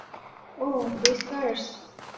ওহ, হুইস্কারস।